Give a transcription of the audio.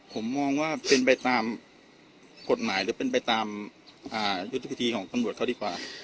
ผมมองว่าเป็นไปตามกฎหมายหรือเป็นไปตามยุทธิพิธีของกรรมบริกว่า